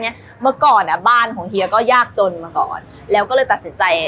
เมื่อก่อนอ่ะบ้านของเฮียก็ยากจนมาก่อนแล้วก็เลยตัดสินใจ